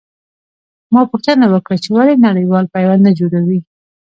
ما پوښتنه وکړه چې ولې نړېوال پیوند نه جوړوي.